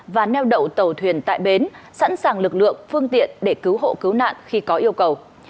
và neo đậu tàu thuyền tại bến sẵn sàng lực lượng phương tiện để cứu hộ cứu nạn khi có yêu cầu